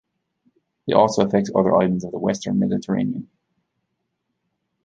It also affects other islands of the Western Mediterranean.